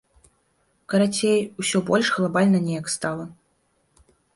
Карацей, усё больш глабальна неяк стала.